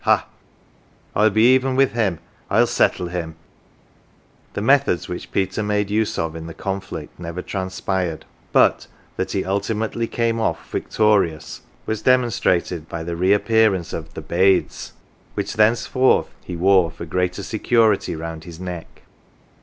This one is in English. Ha ! I'll be even with him /'ZZ settle him !" The methods which Peter made use of in the conflict never transpired, but that he ultimately came off 50 CELEBRITIES victorious was demonstrated by the reappearance of " the bades," which thenceforth he wore for greater security round his neck.